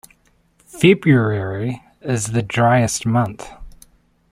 February is the driest month.